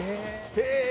へえ！